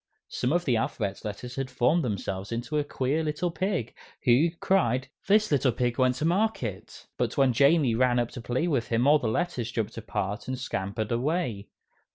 Some of the alphabet letters had formed themselves into a queer little pig, who cried, "This little pig went to market," but when Jamie ran up to play with him all the letters jumped apart and scampered away.